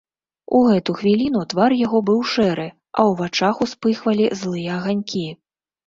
У гэту хвіліну твар яго быў шэры, а ў вачах успыхвалі злыя аганькі.